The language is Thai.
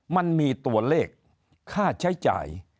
มันมีตัวเลขค่าใช้จ่าย